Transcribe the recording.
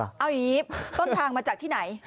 เอาอย่างนี้ต้นทางมาจากที่ไหน